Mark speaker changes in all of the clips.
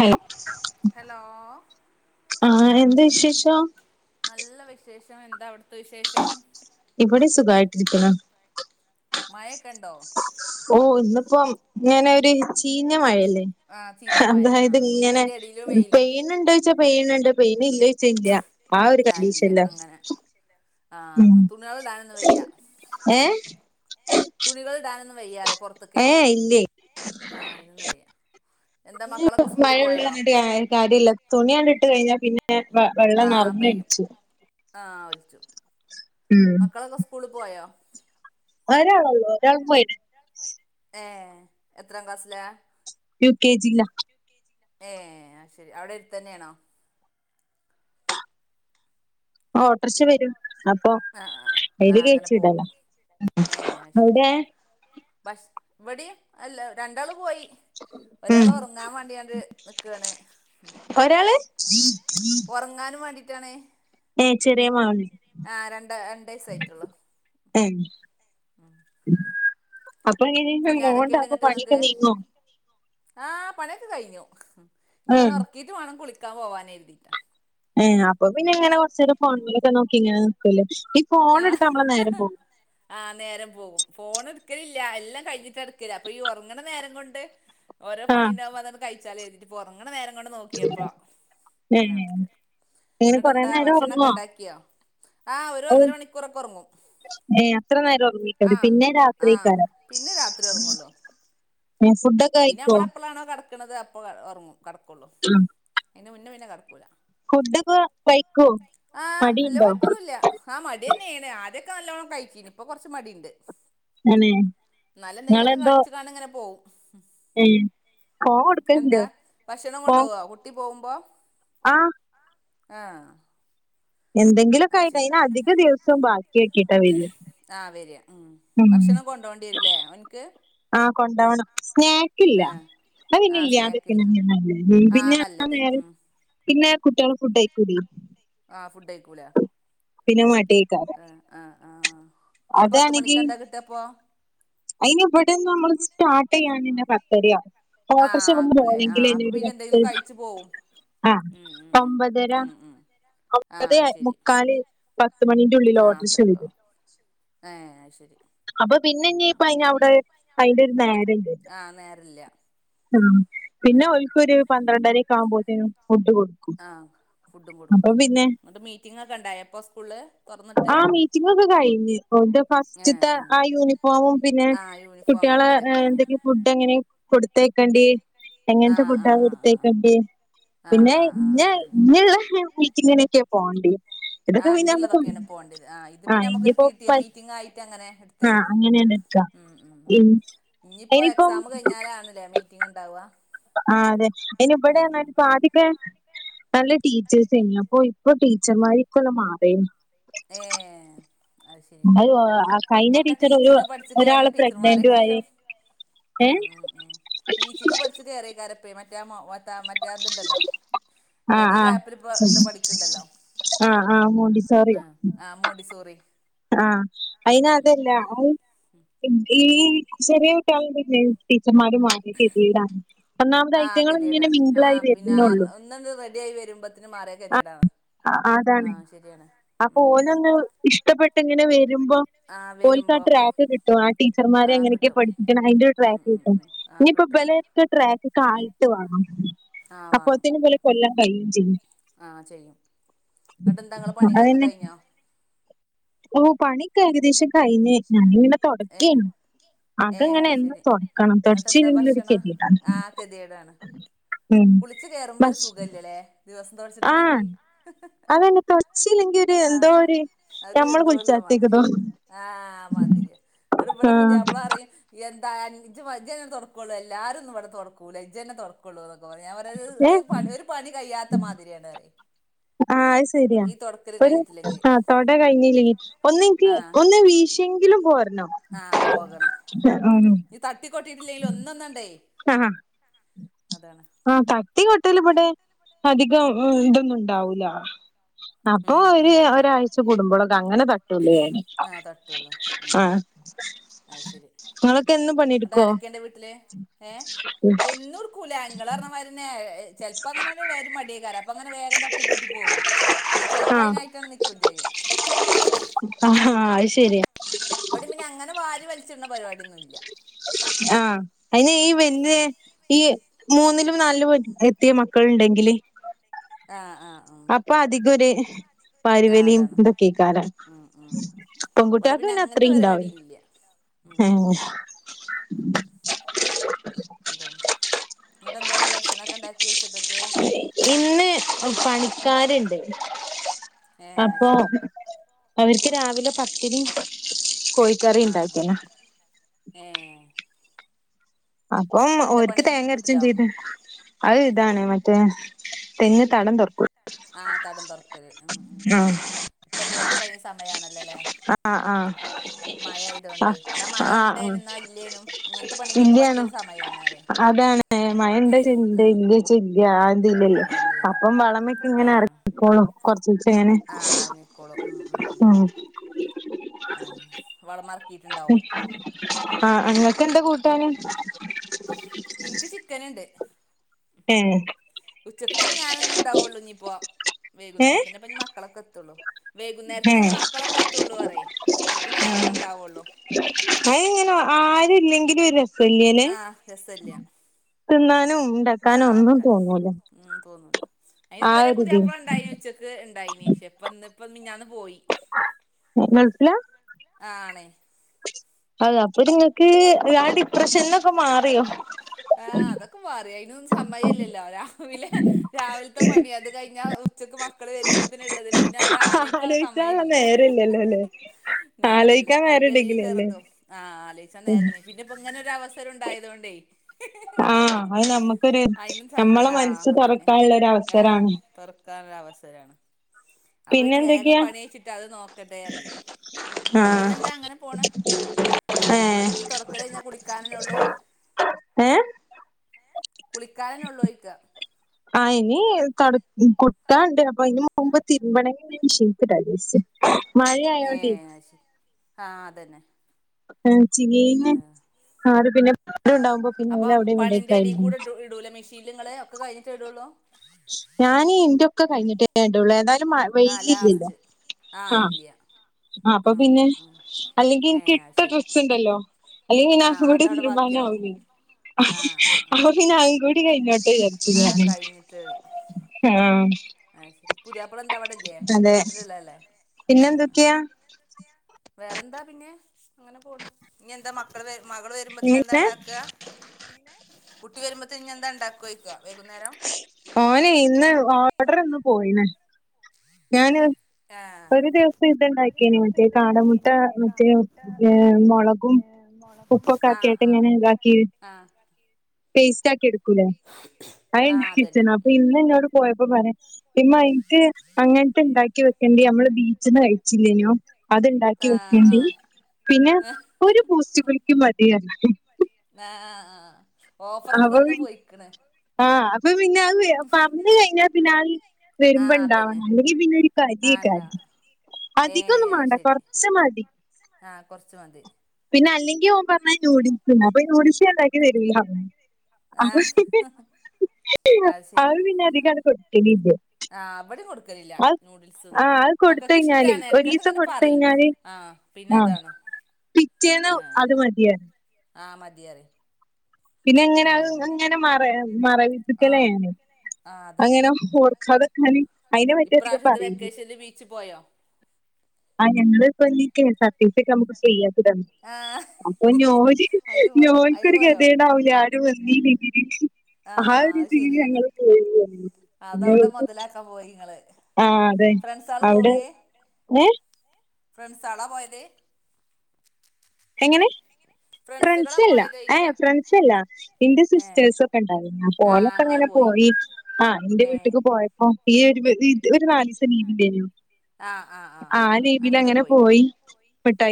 Speaker 1: Hello
Speaker 2: hello
Speaker 1: ആഹ് എന്താ വിശേഷം
Speaker 2: നല്ല വിശേഷം എന്താ അവിട്ത്തെ വിശേഷം
Speaker 1: ഇവടിം സുഖായിട്ടിരിക്കുന്നു
Speaker 2: മഴക്കണ്ടോ
Speaker 1: ഓ ഇന്ന്പ്പോ ഇങ്ങനെ ഒരു ചീഞ്ഞ മഴല്ലേ
Speaker 2: ആ ചീഞ്ഞ മഴ ആ
Speaker 1: അതായത് ഇങ്ങനെ
Speaker 2: അതിന്റെ ഇടയിലും വെയിലും
Speaker 1: പെയ്യിന്ണ്ടോയ്ച്ചാ പെയ്യിന്ണ്ട് പെയ്യിന്ല്ലോ യ്ചാ ഇല്ല ആഹ് ഒരു
Speaker 2: ആ ഇല്ല
Speaker 1: കണ്ടീഷലാ
Speaker 2: അങ്ങനെ ആ
Speaker 1: ഉം
Speaker 2: തുണികൾ ഇടാനൊന്നും വയ്യ
Speaker 1: ഏഹ്
Speaker 2: തുണികള്ടാനൊന്നും വയ്യാറിയാ പൊർ
Speaker 1: ഏഹ് ഇല്ലയ്
Speaker 2: വയ്യ എന്താ
Speaker 1: നി
Speaker 2: മക്കളൊക്കെ സ്കൂളിൽ പോയോ
Speaker 1: മഴൊള്ളാർഞ്ഞ്ട്ട് കാര്യല്ല തുണിയണ്ടിട്ട് കഴിഞ്ഞാ പിന്നെ വ വെള്ളം നറ്ഞ്ഞൊൽച്ചു
Speaker 2: ആഹ് ഒൽച്ചും
Speaker 1: ഉം
Speaker 2: മക്കളൊക്കെ സ്കൂളിൽ പോയോ
Speaker 1: ഒരാളൊള്ളൂ ഒരാള് പോയ്ണ്
Speaker 2: ഏഹ് എത്രാം ക്ലാസ്സിലാ
Speaker 1: യു കെ ജി ല്ലാ
Speaker 2: ഏഹ് അത് ശരി അവ്ടെ എര്ത്തന്നെയാണോ
Speaker 1: ഓട്ടർഷ വരും അപ്പൊ
Speaker 2: ആ ആ ആ
Speaker 1: അയ്‌ല്
Speaker 2: അങ്ങനെ
Speaker 1: കയറ്റി
Speaker 2: പോവും
Speaker 1: വിടലാ ഉം അവ്‌ടെ
Speaker 2: ബസ് ഇവടിം അല്ല രണ്ടാള് പോയി
Speaker 1: ഉം
Speaker 2: ഒരാള് ഒറങ്ങാൻ വാണ്ടിക്കാണ്ട് നിക്കാണ്
Speaker 1: ഒരാള്
Speaker 2: ഒരാള് ഒറങ്ങാനും വാണ്ടിട്ടാണ്
Speaker 1: ഏഹ് ചെറിയ മാൾ
Speaker 2: രണ്ട്
Speaker 1: ഏഹ്
Speaker 2: ഉം
Speaker 1: അപ്പൊ [unintelligible] പണിയൊക്കെ നീങ്ങോ?
Speaker 2: ആഹ്. പണിയൊക്കെ കയ്ഞ്ഞു. ഞ്ഞ് ഓനെ
Speaker 1: ഉം
Speaker 2: ഒർക്കീട്ട് വാണം കുളിക്കാൻ പോവാനെര്തീട്ട്.
Speaker 1: ഏഹ് അപ്പൊ പിന്നെങ്ങനെ കൊർച്ചേരം ഫോണിമെലൊക്കെ നോക്കിങ്ങനെ നിക്കുലെ.
Speaker 2: ആഹ്. ആഹ്. നേരം പോവും. ഫോണട്ക്കലില്ല. എല്ലം കയ്ഞ്ഞ്ട്ടാട്ക്കല്. അപ്പൊ ഈ ഒർങ്ങ്ണ നേരം കൊണ്ട് ഓരോ
Speaker 1: ആഹ്
Speaker 2: പണിണ്ടാവുമ്പോ അതണ്ട് കയ്ച്ചാലെര്തീറ്റ്. പൊറങ്ങ്ണേരം കൊണ്ട് നോക്കിയപ്പൊ.
Speaker 1: ഏ
Speaker 2: അങ്ങനെ അവക്ക്
Speaker 1: ഇങ്ങനെ കൊറേ
Speaker 2: ങ്ങട്ടെന്താ?
Speaker 1: നേരം ഉറങ്ങോ
Speaker 2: ഭക്ഷണൊക്കെണ്ടാക്കിയോ? ആഹ് ഒരു
Speaker 1: ഓ
Speaker 2: ഒന്നര മണിക്കൂറൊക്കെ ഒർങ്ങും.
Speaker 1: ഏ അത്ര നേരം ഒർങ്ങീക്കോ. പിന്നെ
Speaker 2: ആഹ്
Speaker 1: രാത്രിയ്ക്കാരം.
Speaker 2: പിന്നെ രാത്രി ഉറങ്ങുള്ളൂ പിന്നെ അമ്മളെപ്പ്ളാണോ കടക്ക്‌ണത്. അപ്പ ഒർങ്ങു കട്ക്കുള്ളൂ.
Speaker 1: ആ
Speaker 2: അയ്ന്റെ മുന്നേ പിന്നെ കടക്കൂല.
Speaker 1: ഫുഡൊക്കെ കഴിക്കോ
Speaker 2: ആഹ്. വല്യ
Speaker 1: മടിയുണ്ടോ
Speaker 2: കൊഴപ്പൊന്നുല്ല. ആഹ്. മടിന്നേണ്. ആദ്യൊക്കെ നല്ലോണം കയ്ച്ചീനി. പ്പൊ കൊർച്ച് മടിണ്ട്.
Speaker 1: അങ്ങനെ
Speaker 2: ന്നാലെന്തേലൊക്കെ
Speaker 1: നിങ്ങളെന്തോ
Speaker 2: കാൺച്ച്കാണ്ട്ങ്ങനെ പോവും.
Speaker 1: ഏ ഫോൺ
Speaker 2: എന്താ.
Speaker 1: കൊടുക്കലുണ്ടോ
Speaker 2: ഭക്ഷണം
Speaker 1: ഫോ
Speaker 2: കൊണ്ടോവോ കുട്ടി പോവുമ്പോ?
Speaker 1: ആഹ്.
Speaker 2: ആഹ്. അത്
Speaker 1: എന്തെങ്കിലൊക്കായിട്ട്.
Speaker 2: ശരി
Speaker 1: അതിനധിക ദിവസും ബാക്കി ആക്കീട്ടാ വരാ.
Speaker 2: ആഹ്. വര്. ഭക്ഷണം കൊണ്ടോണ്ട്യെ രും ലെ ഓൻക്ക്‌.
Speaker 1: ആഹ്. കൊണ്ടോണം. സ്നാക്കില്ല. പിന്നെ
Speaker 2: ആഹ്
Speaker 1: ഇല്ലാതക്കാ
Speaker 2: സ്നാക്കില്ല
Speaker 1: [unintelligible] പിന്നെ ആഹ്
Speaker 2: നല്ലത്
Speaker 1: നേര
Speaker 2: ഉം
Speaker 1: പിന്നെ കുട്ട്യാള് ഫുഡയിക്കൂല്ല.
Speaker 2: ആഹ്. ഫുഡയിക്കൂല.
Speaker 1: പിന്നെ മടിയ്ക്കാരം.
Speaker 2: ആഹ് ആഹ് ങ്ങട്ട് പത്ത്മണിക്കെന്താ കിട്ടപ്പോ?
Speaker 1: അയിന് ഇവിടെന്ന് നമ്മള് സ്റ്റാട്ടെയ്യാനെന്നെ പ ശരിയാ ഓട്ട്ർഷ
Speaker 2: ആഹ്
Speaker 1: വന്ന്
Speaker 2: ആകൂലേ ആഹ്
Speaker 1: പോയെങ്കിലെ
Speaker 2: അപ്പൊ
Speaker 1: ഒരു
Speaker 2: പിന്നെ
Speaker 1: പത്തു
Speaker 2: എന്തെങ്കിലും കഴിച്ചു പോവും
Speaker 1: ആഹ്.
Speaker 2: ഉം ഉം ഉം
Speaker 1: ഒമ്പതര.
Speaker 2: ഉം ഉം ആഹ് അത് ശരി
Speaker 1: ഒമ്പതേമുക്കാല് പത്തുമണീന്റുള്ള്ല്
Speaker 2: ആഹ്
Speaker 1: ഓട്ട്ർഷ
Speaker 2: അത്രക്കോ
Speaker 1: വരും.
Speaker 2: ഏഹ് അയ് ശരി.
Speaker 1: അപ്പൊ
Speaker 2: ഉം
Speaker 1: പിന്നെഞ്ഞ്
Speaker 2: ഉം ഉം
Speaker 1: പ്പയ്നവ്ടെ അയ്ന്റൊര് നേരണ്ട്.
Speaker 2: ആഹ് നേരല്ല
Speaker 1: ആഹ്. പിന്നെ
Speaker 2: ആഹ്
Speaker 1: ഓൽക്കൊര് പന്ത്രണ്ടരക്കാവുമ്പോത്ത്ന് ഫുഡ് കൊടുക്കും.
Speaker 2: ആഹ് ഫുഡും കൊടുക്കും
Speaker 1: അപ്പൊ
Speaker 2: ചെയ്യും
Speaker 1: പിന്നെ
Speaker 2: എന്നിട്ട് മീറ്റിംഗ് ഒക്കെ ഉണ്ടായ ഇപ്പോ സ്കൂളില് തുറന്നിട്ട്
Speaker 1: ആഹ്. മീറ്റിങ്ങൊക്കെ കഴിഞ്ഞ്.
Speaker 2: ഏഹ്
Speaker 1: ഫസ്റ്റ്ത്തെ
Speaker 2: ആഹ്
Speaker 1: ആ യൂണിഫോമും പിന്നെ
Speaker 2: ആഹ് യൂണിഫോമിന്റെ
Speaker 1: കുട്ട്യാളെ
Speaker 2: ഇതിലൊക്കെ
Speaker 1: എന്തെ ഫുഡെങ്ങനെ കൊട്ത്തേക്കണ്ടി? എങ്ങൻത്തെ
Speaker 2: ആഹ്
Speaker 1: ഫുഡാ
Speaker 2: ആഹ് ആഹ് ആഹ് ആഹ്
Speaker 1: കൊട്ത്തേക്കണ്ടി?
Speaker 2: ആഹ്
Speaker 1: പിന്നെ
Speaker 2: ആഹ് ആഹ് ആഹ്
Speaker 1: ഇഞ്ഞ്
Speaker 2: അതന്നെ
Speaker 1: ഇഞ്ഞ്ള്ള മീറ്റിങ്ങിനൊക്കെ പോണ്ടി.
Speaker 2: ആഹ്. ഞ്ഞ്ള്ളതൊക്കേണ് പോണ്ടത്. ആഹ് ഇത്
Speaker 1: ആ
Speaker 2: പിന്നെ അമ്മക്കൊര്
Speaker 1: ഇനിയിപ്പോ
Speaker 2: പി ടി
Speaker 1: പ
Speaker 2: എം മീറ്റിങ്ങായിറ്റങ്ങനെ
Speaker 1: ആ
Speaker 2: ട്ത്തെരും.
Speaker 1: അങ്ങനെയാണ് എടുക്ക
Speaker 2: ഉം ഉം. ഞ്പ്പൊ
Speaker 1: ഇനിയിപ്പം
Speaker 2: എക്സാം കഴിഞ്ഞാലാണ്ലെ മീറ്റിങ് ണ്ടാവാ.
Speaker 1: ആഹ്. അതെ. അയ്ന് വടെർഞ്ഞാ ആദ്യൊക്കെ. നല്ല ടീച്ചേഴ്സെയ്നി. അപ്പൊ ഇപ്പൊ ടീച്ചർമാരിക്കൊല്ലം മാറീണ്.
Speaker 2: ഏഹ് അയ് ശരി.
Speaker 1: അത് കഴിഞ്ഞ
Speaker 2: ഇപ്പൊക്കെ
Speaker 1: ടീച്ചർ ഒരു
Speaker 2: ടീച്ചിങ് പഠിച്ച് കേറ്ണ
Speaker 1: ഒരാള് പ്രഗ്നന്റും
Speaker 2: ടീച്ചർമാരൊക്കെ.
Speaker 1: ആയി
Speaker 2: ആഹ്.
Speaker 1: ഏഹ്
Speaker 2: ഉം ഉം. ടീച്ചിങ് പഠിച്ച് കേറെയ്ക്കാരപ്പെയ്. മറ്റേ മറ്റേ ആത്ണ്ടല്ലോ.
Speaker 1: ആ
Speaker 2: ഏതോ ഒരാപ്പില് പ്പൊ
Speaker 1: ആ
Speaker 2: ണ്ട് പഠിക്ക്‌ണ്ടല്ലോ.
Speaker 1: ആഹ് ആഹ്. മോണ്ടിസോറി.
Speaker 2: ഉം ആഹ്. മോണ്ടിസോറി.
Speaker 1: ആഹ്.
Speaker 2: ഉം ഉം
Speaker 1: അയ്നതല്ല അഹ് ഈ ചെറിയ കുട്ട്യാളെത് ല്ലേ ടീച്ചർമാരും മാ ര് കെത്യേടാണ്. ഒന്നാമത്
Speaker 2: ആഹ്
Speaker 1: ഐറ്റങ്ങള് ങ്ങനെ
Speaker 2: കെതിയേടാണ്
Speaker 1: മിങ്കിളായി
Speaker 2: ആഹ്
Speaker 1: വര്നൊള്ളൂ.
Speaker 2: ത്തിന് മാറ്യാ കെത്യേടാണ്.
Speaker 1: ആ അതാണ്,
Speaker 2: ഉം
Speaker 1: അപ്പോലൊന്ന് ഇഷ്ടപ്പെട്ട്ങ്ങനെ വെരുമ്പൊ
Speaker 2: ആഹ്
Speaker 1: ഓൽക്കാ
Speaker 2: വരുമ്പോ
Speaker 1: ട്രാക്ക് കിട്ടും. ആ
Speaker 2: ആഹ്
Speaker 1: ടീച്ചർമാരെങ്ങനെക്കെ
Speaker 2: കിട്ടും
Speaker 1: പഠിപ്പിക്കണ. അയ്ന്റൊരു
Speaker 2: ഉം
Speaker 1: ട്രാക്ക്
Speaker 2: ഉം
Speaker 1: കിട്ടും
Speaker 2: ഉം ആഹ്
Speaker 1: ന്നിപ്പോ
Speaker 2: കിട്ടും
Speaker 1: ബലന്നെ ട്രാക്ക്ക്കായിട്ട് വാണം.
Speaker 2: ആഹ് വാണം
Speaker 1: അപ്പോത്തിന് ബലെ കൊല്ലം കയ്യും ചെയ്യും
Speaker 2: ആഹ് ചെയ്യും ന്നട്ടെന്താ ഇങ്ങളെ പണികളൊക്കെ
Speaker 1: അതന്നെ
Speaker 2: കഴിഞ്ഞോ
Speaker 1: ഓ പണിക്കേകദേശം കഴിഞ്ഞ് ഞാനിങ്ങനെ
Speaker 2: ഏഹ്
Speaker 1: തൊടക്കേനി
Speaker 2: ഏഹ്
Speaker 1: അകങ്ങനെ
Speaker 2: അത്
Speaker 1: എന്നും
Speaker 2: ശരി
Speaker 1: തൊടക്കണം.
Speaker 2: ഇങ്ങട്ട് എന്താ
Speaker 1: തൊടച്ചില്ലങ്കിലൊരു
Speaker 2: ഭക്ഷണം
Speaker 1: കെത്യേടാണ്
Speaker 2: ആഹ് കെതിയേടാണ് കുളിച്ച് കേറുമ്പൊരു സുഖല്ലല്ലേ ദിവസം
Speaker 1: ആഹ്
Speaker 2: തൊടച്ചിട്ടില്ലെങ്കി
Speaker 1: അതന്നെ തൊടച്ചില്ലെങ്കി ഒരു എന്തോ
Speaker 2: ആഹ്
Speaker 1: ഒരു
Speaker 2: അവര്
Speaker 1: ഞമ്മള്
Speaker 2: എന്തോള്ള
Speaker 1: കുളിച്ചാത്തേക്ക്
Speaker 2: മാതിര്യ,
Speaker 1: തോന്നും
Speaker 2: ആആ മാതിര്യ, ന്നട്ട് വടെ
Speaker 1: ഏഹ്
Speaker 2: പുത്യാപ്പളറിം എന്താണ് ജ്ജെന്നെ തൊടക്കുള്ളൂ എല്ലാരൊന്നും വടെ തൊട്ക്കൂല ഇജ്ജന്നെ തൊടക്കുള്ളൂന്നൊക്- പറ ഞാൻ പറ പ ര് ഒരു പണി കഴ്യാത്ത മാതിര്യാണ്റ്യേ
Speaker 1: ആഹ് അത് സെര്യാ ഒരു ആ തൊട കഴിഞ്ഞില്ലെ ഒന്നിൻക്
Speaker 2: ആഹ്
Speaker 1: ഒന്ന് വീശ്യെങ്കിലും പോരണം
Speaker 2: ആഹ് പോകണം
Speaker 1: ഉം
Speaker 2: ന്നി തട്ടിക്കൊട്ടിട്ടില്ലെങ്കിലും ഒന്നന്നണ്ടേ
Speaker 1: ആഹ് ആഹ് തട്ടി കൊട്ടല് ബടെ അധികം ഉം തൊന്നും ണ്ടാവൂല അപ്പൊ
Speaker 2: ഉം
Speaker 1: ഒര്
Speaker 2: ഉം ഉം
Speaker 1: ഒരാഴ്ച കൂടുമ്പോളൊക്കെ അങ്ങനെ തട്ടൂള്ളു ഞാന്
Speaker 2: ആ തട്ടുള്ളൂ ഉം അഹ് ശരി
Speaker 1: ങ്ങളൊക്കെന്നും
Speaker 2: അവിടാരൊക്കെണ്ട് വീട്ടില് ഏഹ് എന്നുട്ക്കൂല ഇങ്ങള് പർഞ്ഞ മാര്യന്നെ ചെൽപ്പങ്ങനൊര് വേ ഒര് മടിയെക്കാരം അപ്പൊ അങ്ങനെ വേഗം തട്ടി കൂട്ടി പോവും, ന്നാ ചെൽപ്പയ്നായിട്ട ണ്ട് നിക്കും ചെയ്യും
Speaker 1: അ ഹാ അഹ് ശര്യ
Speaker 2: വടിം പിന്നങ്ങനെ വാരി വലിച്ചിടുന്ന പരിപാട്യൊന്നും ല്ല
Speaker 1: ആഹ് അയ്നീ വല്യെ ഈ മൂന്നിലും നാലിലും എത്തിയ മക്കള്ണ്ടെങ്കില്
Speaker 2: ആഹ് ആഹ് ആഹ്
Speaker 1: അപ്പധികൊര്
Speaker 2: ആഹ്
Speaker 1: വാരിവലിയും
Speaker 2: അതാണ്
Speaker 1: തൊക്കേക്കാരം.
Speaker 2: ഉം ഉം ഇവടെ
Speaker 1: പെൺകുട്ട്യാക്ക്
Speaker 2: പിന്നെ അങ്ങൻത്തെ
Speaker 1: പിന്നത്രയും
Speaker 2: പരിപാടി
Speaker 1: ണ്ടാവും
Speaker 2: ഇല്ല
Speaker 1: ഉം
Speaker 2: അതാണ് ഇങ്ങട്ടെന്താന്ന് ഭക്ഷണക്കെണ്ടാക്കി ഉച്ചക്കെക്ക്
Speaker 1: ഇന്ന് പണിക്കാര്ണ്ട്
Speaker 2: ഏഹ് അഹ്
Speaker 1: അപ്പൊ
Speaker 2: ശരി
Speaker 1: അവർക്ക് രാവിലെ പത്തിരിം
Speaker 2: ആഹ് ആഹ്
Speaker 1: കോഴിക്കറീണ്ടാക്കീണ്
Speaker 2: ഏഹ്
Speaker 1: അപ്പം
Speaker 2: എന്താ
Speaker 1: ഓര്ക്ക്
Speaker 2: പണി
Speaker 1: തേങ്ങ അരച്ചും
Speaker 2: വീട്ടിലോ
Speaker 1: ചെയ്ത്. അഹ്
Speaker 2: ഉം
Speaker 1: ഇതാണ് മറ്റേ തെങ്ങ് തടം തൊർക്കു
Speaker 2: ആഹ് തടം തൊർക്കല്, ഉം ഉം
Speaker 1: ആ
Speaker 2: ഉം ഇപ്പല്ലോട്ത്തും പ്പയ്ന്റെ സമയാണല്ലൊ ലേ
Speaker 1: ആ ആ
Speaker 2: മഴായതോണ്ടേ, ന്നാ മഴ
Speaker 1: ആ ആ
Speaker 2: ണ്ടേനും ന്ന ഇല്ലേനും ഇങ്ങൻത്തെ പണിക്കൊക്കെ പറ്റിയരു സമയാണ് റ്യ
Speaker 1: ഏഹ് മഴണ്ടോ ന്ന് ചോയ്ച്ചാ ഇണ്ട് ഇല്ല്യേയ് ച്ചാ ഇല്ല്യാ. അങ്ങനെ ഇതിലല്ലേ.
Speaker 2: ആഹ് ഇല്ലേനും
Speaker 1: അപ്പം വളമെക്കെ ഇങ്ങനെ
Speaker 2: ഏഹ്
Speaker 1: എറക്കിക്കോളും കൊറച്ചീച്ചെ ഇങ്ങനെ.
Speaker 2: ആഹ് എറങ്ങിക്കോളും ഉം ഉം ഉം. ആഹ് വളമ എർ
Speaker 1: ആഹ് ഇങ്ങ
Speaker 2: ഇന്ക്ക് ചിക്കന്ണ്ട്.
Speaker 1: ഏഹ്.
Speaker 2: ഉച്ചക്ക് പിന്നെ ഞാനെന്നെ ഇണ്ടാവൊള്ളൂ ഇഞ്ഞ്പ്പോ.
Speaker 1: ഏഹ്
Speaker 2: വൈകുന്നേരത്തിനേ ഇഞ്ഞ്പ്പം മക്കളൊക്കെ എത്തൊള്ളു. വൈകുന്നേരത്തിനേ
Speaker 1: ഏഹ്
Speaker 2: ഇഞ് മക്കളൊക്കെ എത്തൊള്ളൂ പറ്യേ. ഉച്ചക്ക് ഞാനന്നെ ഇണ്ടാവൊള്ളൂ.
Speaker 1: അത് ഇങ്ങനെ ആരു ഇല്ലെങ്കിലു ഒര് രസ്
Speaker 2: ആഹ് രസല്ല്യ.
Speaker 1: തിന്നാനും ഇണ്ടാക്കാനും
Speaker 2: ആഹ്
Speaker 1: ഒന്നും
Speaker 2: ഒക്കെ
Speaker 1: തോന്നൂല
Speaker 2: ഉം തോന്നൂല്ല. അയ്ന്
Speaker 1: ആ
Speaker 2: ഇതുവരെ
Speaker 1: ഒരിതി
Speaker 2: പുതിയാപ്പള ഇണ്ടായ്നി. ഉച്ചക്ക് ഇണ്ടായിനി. പക്ഷെ ഇപ്പന്ന് ഇപ്പം മിഞ്ഞാന്ന് പോയി.
Speaker 1: ഏഹ് ഗൾഫിലാ?
Speaker 2: ആണേ.
Speaker 1: അത് അപ്പൊര് ഇങ്ങക്ക് ആ ഡിപ്രഷൻന്നൊക്കെ മാറിയോ?
Speaker 2: ഏഹ് അതൊക്കെ മാറി അയിനൊന്നും സമയല്ലല്ലോ. രാവിലെ രാവിലത്തെ പണി അത് കഴിഞ്ഞാ ഉ ച്ചക്ക് മക്കള് വരുമ്പത്തിന് ഇള്ളത് പിന്നെ അവിടെ ആലോയിക്കാന്ള്ള
Speaker 1: ആലോയിക്കാനുള്ള
Speaker 2: സമയെല്ല്യ.
Speaker 1: നേരല്ലല്ലോ ല്ലേ
Speaker 2: നേരല്ല.
Speaker 1: ആലോയിക്കാൻ
Speaker 2: അയിൻ്റെടീൽ
Speaker 1: നേരണ്ടെങ്കിലല്ലേ
Speaker 2: ചേറുതും ആഹ് ആലോയിച്ചാൻ [unintelligible] പിന്നെ ഇപ്പം ഇങ്ങനൊരു അവസരും ഉണ്ടായതൊണ്ടേ.
Speaker 1: ആഹ് അത് നമ്മക്കൊരു
Speaker 2: അയിനും സമയം
Speaker 1: നമ്മളെ മനസ്സ്
Speaker 2: ആഹ് അതെന്നെ
Speaker 1: തുറക്കാനുള്ള ഒരു
Speaker 2: ആഹ്
Speaker 1: അവസരാണ്
Speaker 2: തൊറ ക്കാനൊര് അവസരാണ്. അപ്പൊ പിന്നെ വേഗം പണി കയിച്ചിട്ട് അത് നോക്കട്ടെ കര്തും.
Speaker 1: ആഹ്
Speaker 2: പിന്നെന്താ അങ്ങനെ പോണ്. ഇങ്ങളോടെ
Speaker 1: ഏഹ്
Speaker 2: ഇപ്പഞ്ഞ് തൊടക്കല് കഴിഞ്ഞാ കുളിക്കാനെ ന്നൊള്ളു.
Speaker 1: ഏഹ്
Speaker 2: കുളിക്കാനെന്നെ ഒള്ളൂ ചോയിക്കാ.
Speaker 1: ആഹ് ഇനി തൊട്, കുത്താണ്ട്. അപ്പൊ അയ്ന് മുൻപ് തിര്മ്പണെ [unintelligible] മിഷീൻക്ക് ഇടാ വിചാര്ച്ച്.
Speaker 2: ഏഹ് അഹ് ശ. ആഹ് അതെന്നെ.
Speaker 1: [unintelligible] ആഹ് അത് പിന്നെ [unintelligible]
Speaker 2: ഏ
Speaker 1: ഉണ്ടാവുമ്പോ പിന്നെ
Speaker 2: അപ്പൊ
Speaker 1: ഓല് അവടിം കൊണ്ടോയി
Speaker 2: പണിന്റെ എടീ
Speaker 1: കയിഞ്ഞിണ്.
Speaker 2: കൂടെ ഇടു ഇടൂല മെ ഷീൻല് ഇങ്ങള്. ഒക്കെ കഴിഞ്ഞിട്ടേ ഇടൊള്ളൂ.
Speaker 1: ഞാന് ഇന്റെതൊക്കെ കഴിഞ്ഞിട്ടേ ഞാൻ ഇടൊള്ളൂ. ഏതാ ലും മ
Speaker 2: ആ
Speaker 1: വെയില് ഇല്ല്യല്ലോ
Speaker 2: ലാസ്റ്റ് ആ ഇല്ല്യ
Speaker 1: ആഹ് അപ്പൊ
Speaker 2: ആ
Speaker 1: പിന്നെ
Speaker 2: ആ ആ
Speaker 1: അല്ലെങ്കി
Speaker 2: ഏ
Speaker 1: ഇന്ക്ക് ഇട്ട
Speaker 2: അത് ശരി
Speaker 1: ഡ്രസ്സ്ണ്ടല്ലോ. അല്ലെങ്കി പിന്നെ
Speaker 2: ആ
Speaker 1: അതൂടി
Speaker 2: അതവിടെ
Speaker 1: തിര്മ്പാന്
Speaker 2: ബാക്കിയാവും
Speaker 1: ആവുലേ.
Speaker 2: ആ ആ ആ
Speaker 1: അപ്പം പിന്നെ അതും കൂടി കയിഞ്ഞോട്ടെ വിചാര്ച്ചും
Speaker 2: ആ
Speaker 1: ഞാന്. ആഹ്.
Speaker 2: അഹ് ശരി. പുതിയാപ്പള എന്താ ഇവടെല്ലേ
Speaker 1: അതെ
Speaker 2: നാട്ടിലുള്ളതല്ലേ ആഹ്
Speaker 1: പിന്നെന്തൊക്കെയാ
Speaker 2: ശരി. വേറെന്താ പിന്നെ? അങ്ങനെ പോണ്. ഇഞ്ഞെന്താ മക്കള് വ, മകള് വരുമ്പോത്തിന് എന്താ
Speaker 1: പിന്നെ
Speaker 2: ണ്ടാക്കാ? എങ്ങനെ? കുട്ടി വരുമ്പത്തിന് ഇഞ്ഞെന്താ ഇണ്ടാക്കാ ചോയ്ക്കാ വൈകുന്നേരം.
Speaker 1: ഓനെ ഇന്ന് ഓർഡർ തന്ന് പോയീണ്. ഞാന്
Speaker 2: ആഹ്
Speaker 1: ഒരു ദിവസം ഇത്ണ്ടാക്കീനി മറ്റേ കാടമുട്ട മറ്റേ മൊള കും ഉപ്പൊക്കെ
Speaker 2: ആഹ്
Speaker 1: ആക്കിയാട്ട്
Speaker 2: ആഹ്
Speaker 1: ഇങ്ങനെ ഇതാക്കി.
Speaker 2: ആഹ്.
Speaker 1: പേസ്റ്റ് ആക്കി എടുക്കൂലേ.
Speaker 2: ആഹ് അതന്നെ
Speaker 1: അതേൽക്കിച്ച്ണ്. അപ്പം
Speaker 2: ഉം അപ്പൊ
Speaker 1: ഇന്ന് ഇന്നോട് പോയപ്പം പറ്യാ. ഇമ്മ ഇൻക്ക് അങ്ങനത്തെ ഇണ്ടാക്കി വെക്കണ്ടി നമ്മള് ബീച്ച്ന്ന് കഴിച്ചില്ലേനോ അത് ഇണ്ടാക്കി
Speaker 2: ആഹ്
Speaker 1: വെക്കണ്ടി
Speaker 2: ആഹ്
Speaker 1: പിന്നെ
Speaker 2: ഏഹ്
Speaker 1: ഒരു ബൂസ്റ്റ് കുൽക്കിം മതി പർഞ്ഞോലോ
Speaker 2: ആഹ് ഓഫറൊക്കെ
Speaker 1: അപ്പൊ
Speaker 2: തന്ന്
Speaker 1: പി
Speaker 2: പോയിക്ക്ണ്
Speaker 1: ആഹ് അപ്പൊ പിന്നെ അഹ് പറഞ്ഞു കഴിഞ്ഞാ പിന്നെ. അഹ് വരുമ്പോ
Speaker 2: പിന്നെ അത്
Speaker 1: ഇണ്ടാവണം അല്ലെങ്കിൽ പിന്നൊരു
Speaker 2: ആഹ്
Speaker 1: കലിയേക്കാരം
Speaker 2: ഇണ്ടാവും
Speaker 1: അധികൊന്നും
Speaker 2: ഏഹ് അത്
Speaker 1: വേണ്ട
Speaker 2: ശരി
Speaker 1: കൊറച്ച് മതി
Speaker 2: ആഹ് കൊറച്ച് മതി
Speaker 1: പിന്നെ അല്ലെങ്കിൽ ഓൻ പറഞെ നൂഡിൽസ അപ്പൊ ഈ ന്യൂഡിൽസ് ഞാൻ ഇണ്ടാക്കി തരൂല പറഞ്ഞ് അവന്
Speaker 2: ആഹ്
Speaker 1: പിന്നെ അത് പിന്നെ അധികാണ്ട് കൊടുക്കലില്ല
Speaker 2: ആഹ് ഇബടിം കൊടുക്കലില്ല
Speaker 1: അത് ആ
Speaker 2: നൂഡിൽസൊന്നും
Speaker 1: അത് കൊടുത്തു
Speaker 2: മക്കക്ക്
Speaker 1: കഴിഞ്ഞാല്
Speaker 2: ഇഷ്ട്ടാണ്
Speaker 1: ഒരു
Speaker 2: എടക്കൊക്കെ
Speaker 1: ദിവസം
Speaker 2: ഇങ്ങനെ
Speaker 1: കൊടുത്തു
Speaker 2: പറയും
Speaker 1: കഴിഞ്ഞാല്
Speaker 2: ആഹ് പിന്നെ അതാണ്
Speaker 1: പിറ്റേന്നും
Speaker 2: ആഹ്
Speaker 1: അത് മതി പറയും
Speaker 2: ആഹ് മതി പറിയെ
Speaker 1: പിന്നെ ഇങ്ങനെ അത് ഇങ്ങനെ മറവി
Speaker 2: ആഹ്
Speaker 1: മറവിപ്പിക്കലാണ്
Speaker 2: ആഹ് അതന്നെ
Speaker 1: അങ്ങനെ ഓർക്കാതെക്കാന് അയിനെ പറ്റി അധികം
Speaker 2: ഇപ്രാവശ്യത്തെ
Speaker 1: പറയലില്ല
Speaker 2: വെക്കേഷനില് ബീച്ച് പോയോ
Speaker 1: ആഹ് ഞങ്ങിപ്പോ ഇഞ്ക്കെ സർട്ടിഫിക്കറ്റ് അവിടുന്ന് ശരിയാക്കി തന്നു
Speaker 2: ആഹ്
Speaker 1: അപ്പൊ ഇഞ്ഞോല്
Speaker 2: അയില് പോ അയില്
Speaker 1: ഇഞ്ഞോൽക്കൊരു
Speaker 2: പോയോ
Speaker 1: ഗതിയേണ്ടാവുലെ ആരും വന്നീല്ല്യങ്കില് ആഹ് ഒരീതില് ഞങ്ങള് പോയിനി അവിടുന്ന്
Speaker 2: അത് അവ്ടെ മൊതലാക്കാൻ പോയി ഇങ്ങള്
Speaker 1: ആഹ് അതെ
Speaker 2: ഫ്രണ്ട്സാള്
Speaker 1: അവിടെ
Speaker 2: പോവേ?
Speaker 1: ഏഹ്
Speaker 2: ഫ്രണ്ട്സാള പോയത്?
Speaker 1: എങ്ങനെ?
Speaker 2: ഫ്രണ്ട്സുകളാ
Speaker 1: ഫ്രണ്ട്സല്ല
Speaker 2: പോയതോയിക്ക
Speaker 1: ഏഹ് ഫ്രണ്ട്സല്ല ഇന്റെ
Speaker 2: ഏഹ്
Speaker 1: സിസ്റ്റേഴ്സ് ഒക്കെ ഇണ്ടായിനി അപ്പൊ
Speaker 2: ആഹ് അങ്ങനെ
Speaker 1: ഓലപ്പെങ്ങനെ പോയി ആഹ് ഇന്റെ
Speaker 2: ഏഹ്
Speaker 1: വീട്ട്ക്ക് പോയപ്പോ ഈ ഒരു ഒരു നാലീസം ലീവില്ലേനിയൊ ആഹ് ആ ലീവിലങ്ങനെ പോയി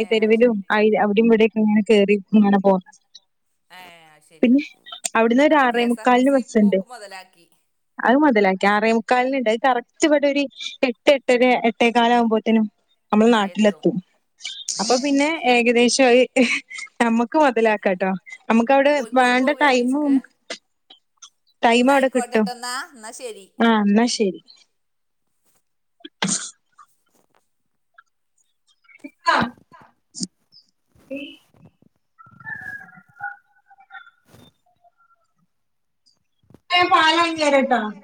Speaker 2: ഏഹ് അത് ശരി
Speaker 1: അവ് ടിം ഇവടിയൊക്കെ ഇങ്ങനെ കേറി ഇങ്ങനെ പോന്നു.
Speaker 2: ഏഹ് അയ്ശരി
Speaker 1: അവിടുന്ന് ഒരു
Speaker 2: അപ്പൊ കെ.
Speaker 1: ആറേ
Speaker 2: എസ്. ആർ. ടി.
Speaker 1: മുക്കാലിന്
Speaker 2: സി.
Speaker 1: ബസ്സുണ്ട്
Speaker 2: പോക്ക് മൊതലാക്കി
Speaker 1: അത് മുതലാക്കി ആറേ മുക്കാലിന്ണ്ട് അത് കറക്റ്റ് ഇവടൊര് എട്ട് എട്ടര എട്ടേകാല് ആകുമ്പോത്തിനും നമ്മള്
Speaker 2: ആഹ് എത്തും
Speaker 1: നാട്ടിലെത്തും അപ്പൊ
Speaker 2: ഏഹ്
Speaker 1: പിന്നെ
Speaker 2: അത് ശരി
Speaker 1: ഏകദേശം ഒര് ഞമ്മക്ക് മൊതലാക്കാട്ടോ നമ്മക്ക് അവിടെ
Speaker 2: കോഴിക്കോട്
Speaker 1: വേണ്ട
Speaker 2: പോവേ
Speaker 1: ടൈമും
Speaker 2: ബീച്ച്ക്ക്
Speaker 1: ടൈമ
Speaker 2: എന്നാ
Speaker 1: അവ്ടെ കിട്ടും
Speaker 2: ആയിക്കോട്ടെട്ടോ എന്നാ എന്നാ ശരി
Speaker 1: ആഹ് ഇന്നാ ശരി. [unintelligible]